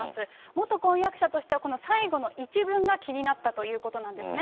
元婚約者としては、この最後の一文が気になったということなんですね。